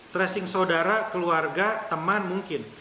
tracing saudara keluarga teman mungkin